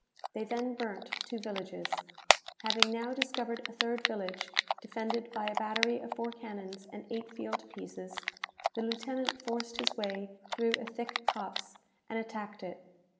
They then burnt two villages. Having now discovered a third village, defended by a battery of four cannons and eight field pieces, the lieutenant forced his way through a thick copse, and attacked it.